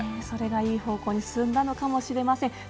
それがいい方向に進んだのかもしれません。